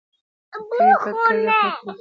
ته مې په کږه خوله پورې خاندې .